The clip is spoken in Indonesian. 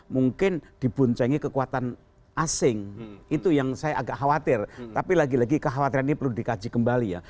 mungkin dibuncengi kekuatan asing itu yang saya agak khawatir tapi lagi lagi kekhawatiran ini perlu dikaji kembali ya